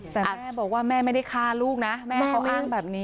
แต่แม่บอกว่าแม่ไม่ได้ฆ่าลูกนะแม่เขาอ้างแบบนี้